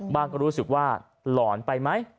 ก็รู้สึกว่าหลอนไปไหม